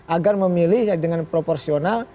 agar memilih dengan proporsional